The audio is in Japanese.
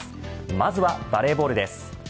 まずはバレーボールです。